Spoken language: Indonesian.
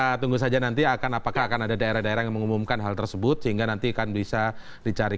kita tunggu saja nanti apakah akan ada daerah daerah yang mengumumkan hal tersebut sehingga nanti akan bisa dicari